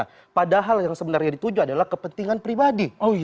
hanya hal yang sebenarnya dituju adalah kepentingan pribadi